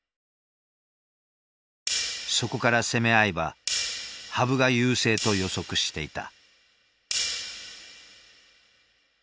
そこから攻め合えば羽生が優勢と予測していた。